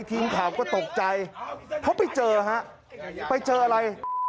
ทีมข่าวก็ตกใจเพราะไปเจอฮะไปเจออะไร